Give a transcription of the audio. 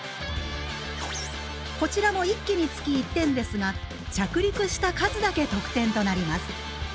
こちらも１機につき１点ですが着陸した数だけ得点となります。